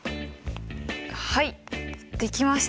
はいできました。